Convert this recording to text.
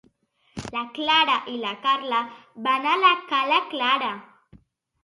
La Clara i la Carla van a la cala clara.